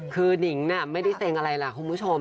คือนิงไม่ได้เซ็งอะไรล่ะคุณผู้ชม